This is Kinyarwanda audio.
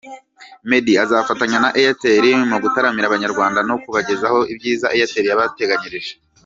Meddy azafatanya na Airtel mu gutaramira abanyarwanda no kubagezaho ibyiza Airtel yabateganyirije.